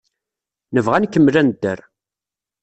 Nebɣa ad nkemmel ad nedder.